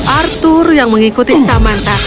arthur yang mengikuti samantha